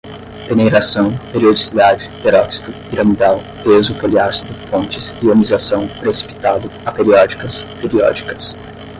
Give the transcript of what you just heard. peneiração, periodicidade, peróxido, piramidal, peso, poliácido, pontes, ionização, precipitado, aperiódicas, periódicas